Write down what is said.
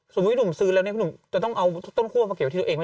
หนุ่มซื้อแล้วเนี่ยคุณหนุ่มจะต้องเอาต้นคั่วมาเก็บที่ตัวเองไหม